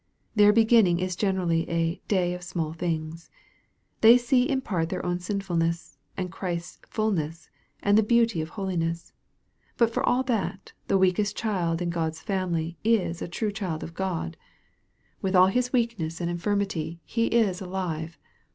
Their be ginning is generally a " day of small things." They see in part their own sinfulness, and Christ's fulness, and the beauty of holiness. But for all that, the weakest child in God's family is a true child of God. With all his T6 EXPOSITOKT THOUGHTS. weakness and infirmity he is alive.